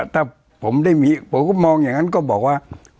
ถ้าผมได้มีผมก็มองอย่างนั้นก็บอกว่า